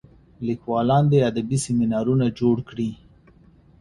لیکوالان دي ادبي سیمینارونه جوړ کړي.